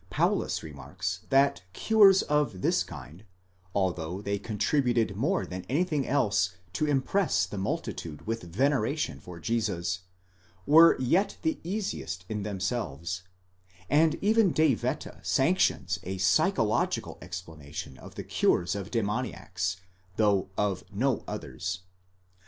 Paulus remarks that cures of this kind, although they contributed more than anything else to impress the multitude with veneration for Jesus, were yet the easiest in themselves, and even De Wette sanctions a psychological explanation of the cures of demon iacs, though of no others.